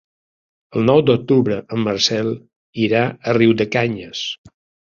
El nou d'octubre en Marcel irà a Riudecanyes.